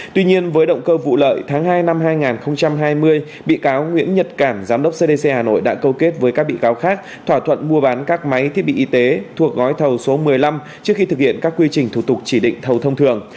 tuy nhiên với động cơ vụ lợi tháng hai năm hai nghìn hai mươi bị cáo nguyễn nhật cảm giám đốc cdc hà nội đã câu kết với các bị cáo khác thỏa thuận mua bán các máy thiết bị y tế thuộc gói thầu số một mươi năm trước khi thực hiện các quy trình thủ tục chỉ định thầu thông thường